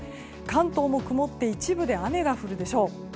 関東も曇って一部で雨が降るでしょう。